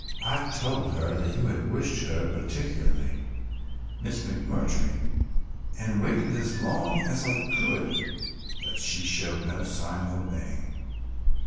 "I told her that you wished her particularly, Miss McMurtry, and waited as long as I could, but she showed no sign of obeying."